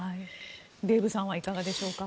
デーブさんはいかがでしょうか。